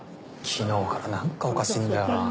昨日から何かおかしいんだよなぁ。